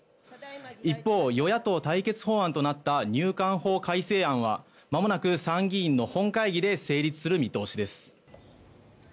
一方、与野党対決法案となった入管法改正案はまもなく参議院の本会議で成立する見通しです。